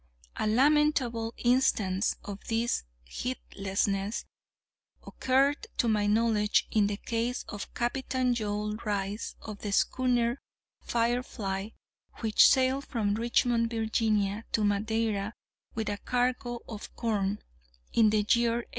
A lamentable instance of this heedlessness occurred to my knowledge in the case of Captain Joel Rice of the schooner Firefly, which sailed from Richmond, Virginia, to Madeira, with a cargo of corn, in the year 1825.